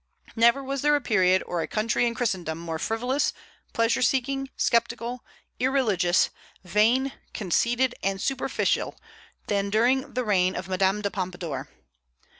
Never was there a period or a country in Christendom more frivolous, pleasure seeking, sceptical, irreligious, vain, conceited, and superficial than during the reign of Madame de Pompadour.